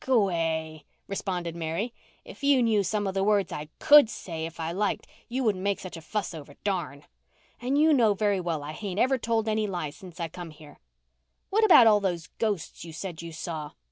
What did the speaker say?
"G'way," responded Mary. "If you knew some of the words I could say if I liked you wouldn't make such a fuss over darn. And you know very well I hain't ever told any lies since I come here." "What about all those ghosts you said you saw?"